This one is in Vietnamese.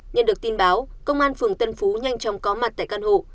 nhận được tin báo công an phường tân phú nhanh chóng có mặt tại căn hộ